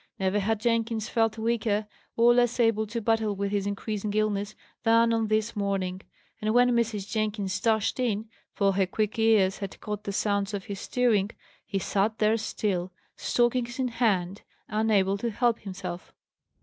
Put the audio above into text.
Never had Jenkins felt weaker, or less able to battle with his increasing illness, than on this morning; and when Mrs. Jenkins dashed in for her quick ears had caught the sounds of his stirring he sat there still, stockings in hand, unable to help himself.